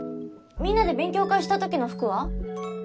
みんなで勉強会した時の服は？